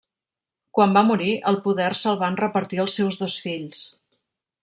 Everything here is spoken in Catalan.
Quan va morir, el poder se'l van repartir els seus dos fills.